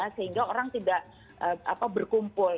sehingga orang tidak berkumpul